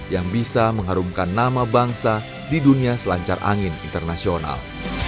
yang bisa mengharumkan nama bangsa di dunia selancar angin internasional